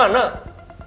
ada ada aja sih